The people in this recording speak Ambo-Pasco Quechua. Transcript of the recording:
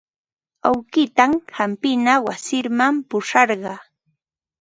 Awkiitan hampina wasiman pusharqaa.